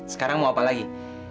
sekarang mau apa lagi